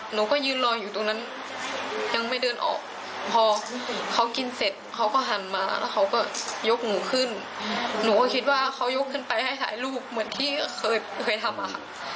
หนูก็คิดว่าเขายกขึ้นไปให้สายลูกเหมือนที่เคยทำอะค่ะ